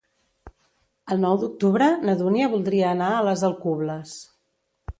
El nou d'octubre na Dúnia voldria anar a les Alcubles.